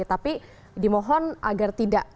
tapi dimohon agar tidak